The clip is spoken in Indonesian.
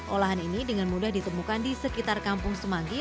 olahan ini dengan mudah ditemukan di sekitar kampung semanggi